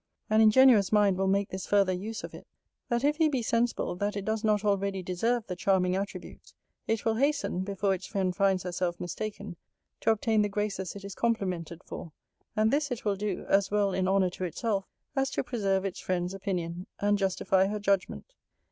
An ingenuous mind will make this farther use of it, that if he be sensible that it does not already deserve the charming attributes, it will hasten (before its friend finds herself mistaken) to obtain the graces it is complimented for: and this it will do, as well in honour to itself, as to preserve its friend's opinion, and justify her judgment.